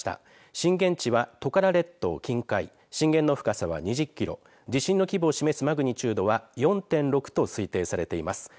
震源地はトカラ列島近海震源の深さは２０キロ地震の規模を示すマグニチュードは４．６と推定されています。